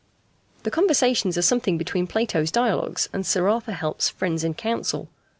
The conversations are something between Plato's Dialogues and Sir Arthur Helps's Friends in Council.